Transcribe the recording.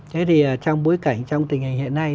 thế thì trong bối cảnh trong tình hình hiện nay